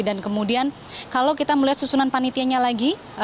dan kemudian kalau kita melihat susunan panitianya lagi